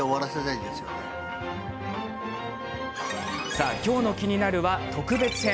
さあ、今日の「キニナル」は特別編。